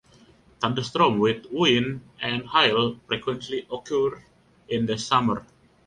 Thunderstorms with wind and hail frequently occur in the summer.